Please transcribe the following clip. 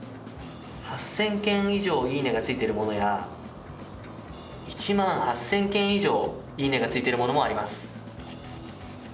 ８０００件以上いいねがついているものや１万８０００件以上いいねがついているものもあります。